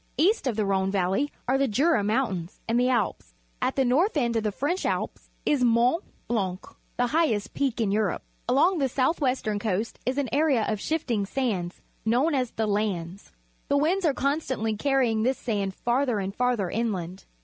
East of the Rhone Valley are the Jura Mountains and the Alps^ At the north end of the French Alps isJTourit Blanc — the high est peak in Europe. Along the south western coast is an area of shifting sand known as the "landes." The winds are constanth' carry ing this sand farther and farther inland.